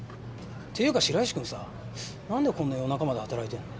ていうか白石君さ何でこんな夜中まで働いてんの？